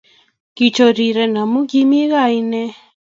Kichoriren amu kimi kaa inegei